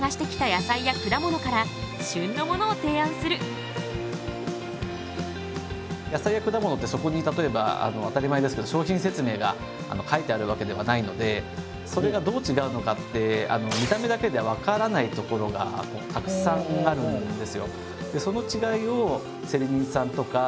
野菜や果物ってそこに例えば当たり前ですけど商品説明が書いてあるわけではないのでそれがどうちがうのかって見た目だけでは分からないところがたくさんあるんですよ。